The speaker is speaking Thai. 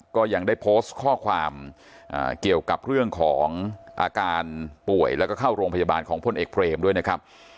ก็ยังได้โพสต์ข้อความเกี่ยวกับเรื่องของอาการป่วยแล้วก็เข้าโรงพยาบาลของพลเอกเบรมด้วยนะครับ